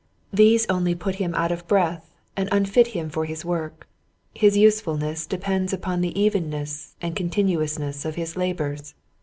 These only put him out of breath and unfit him for his work. His usefulness depends upon the evenness and continuousness of his labors.